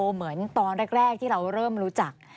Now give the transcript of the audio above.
เหมือนตอนแรกที่เราเริ่มรู้จัก